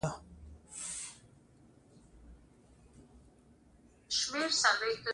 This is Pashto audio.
غالۍ د دودونو برخه ده.